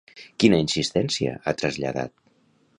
Quina insistència ha traslladat?